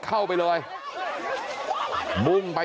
กลับไปลองกลับ